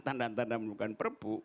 tanda tanda melakukan perempu